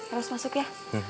eros masuk ya